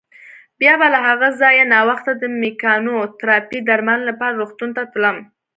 بیا به له هغه ځایه ناوخته د مېکانوتراپۍ درملنې لپاره روغتون ته تلم.